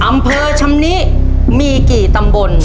อำเภอชำนิมีกี่ตำบล